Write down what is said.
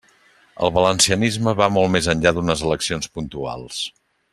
El valencianisme va molt més enllà d'unes eleccions puntuals.